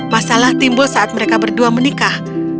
masalah timbul saat mereka berdua menikah